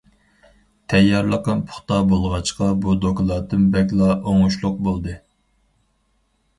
تەييارلىقىم پۇختا بولغاچقا بۇ دوكلاتىم بەكلا ئوڭۇشلۇق بولدى.